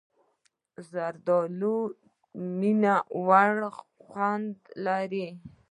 زردالو مینهوړ خوند لري.